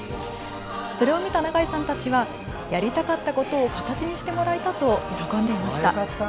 それを見た長井さんたちはやりたかったことを形にしてもらえたと喜んでいました。